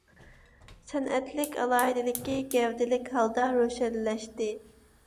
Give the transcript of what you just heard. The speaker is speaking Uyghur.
سەنئەتلىك ئالاھىدىلىكى گەۋدىلىك ھالدا روشەنلەشتى.